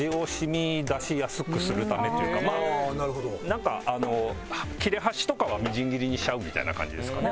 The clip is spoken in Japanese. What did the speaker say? なんか切れ端とかはみじん切りにしちゃうみたいな感じですかね。